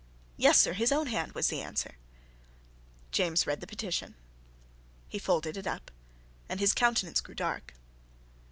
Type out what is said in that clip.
"Yes, sir, his own hand," was the answer. James read the petition; he folded it up; and his countenance grew dark.